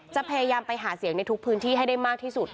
จะพยายามไปหาเสียงในทุกพื้นที่ให้ได้มากที่สุด